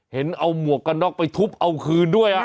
เห็นเอาหมวกกันน็อกไปทุบเอาคืนด้วย